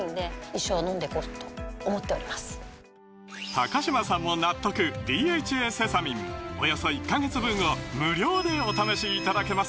高嶋さんも納得「ＤＨＡセサミン」およそ１カ月分を無料でお試しいただけます